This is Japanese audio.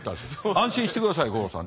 安心してください五郎さん。